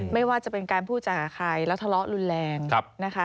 ไม่ว่าจะเป็นการพูดจากหาใครแล้วทะเลาะรุนแรงนะคะ